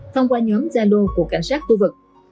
thông qua nhóm gia lô của cảnh sát khu vực